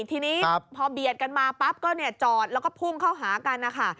ทีนี้พอเบียดกันมาปั๊บก็จอดแล้วก็พุ่งเข้าหากันนะคะ